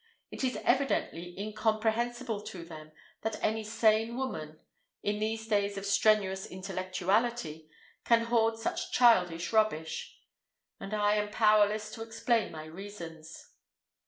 It is evidently incomprehensible to them that any sane woman, in these days of strenuous intellectuality, can hoard such childish rubbish. And I am powerless to explain my reasons.